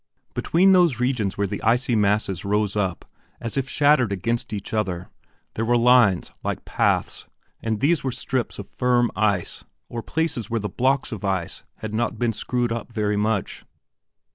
Between those regions where the icy masses rose up, as if shattered against each other, there were lines like paths, and these were strips of firm ice or places where the blocks of ice had not been screwed up very much.